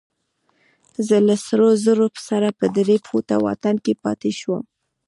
زه له سرو زرو سره په درې فوټه واټن کې پاتې شوم.